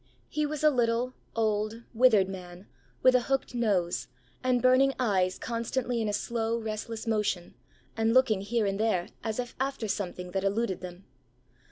He was a little, old, withered man, with a hooked nose, and burning eyes constantly in a slow restless motion, and looking here and there as if after something that eluded them.